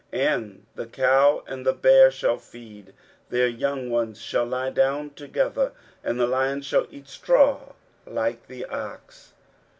23:011:007 And the cow and the bear shall feed; their young ones shall lie down together: and the lion shall eat straw like the ox.